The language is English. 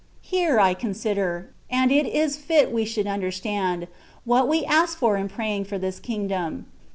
Here I consider, and it is fit we should imderstand, what we ask for in praying for this " Kingdom.